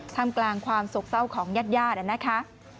ท่ามกลางความสกเต้าของญาตินะคะ